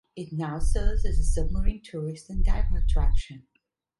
It now serves as a submarine tourist and diver attraction.